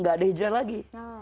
tidak ada hijrah lagi